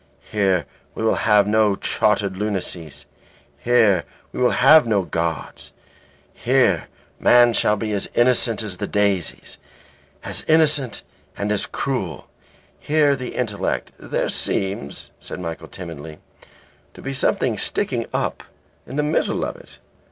Here we will have no chartered lunacies, here we will have no gods. Here man shall be as innocent as the daisies, as innocent and as cruel here the intellect " "There seems," said Michael, timidly, "to be something sticking up in the middle of it."